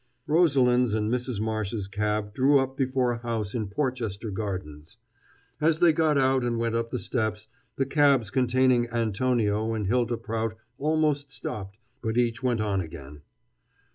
Rosalind's and Mrs. Marsh's cab drew up before a house in Porchester Gardens. As they got out and went up the steps, the cabs containing Antonio and Hylda Prout almost stopped, but each went on again.